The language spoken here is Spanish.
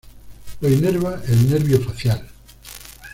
Lo inerva el nervio facial.